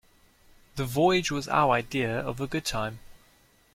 The voyage was our idea of a good time.